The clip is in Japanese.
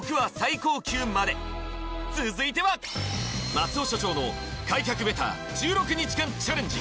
松尾所長の開脚ベター１６日間チャレンジ